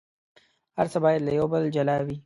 هر څه باید له یو بل جلا وي.